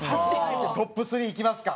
トップ３いきますか。